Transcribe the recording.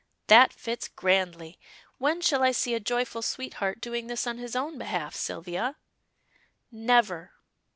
That fits grandly. When shall I see a joyful sweetheart doing this on his own behalf, Sylvia?" "Never!"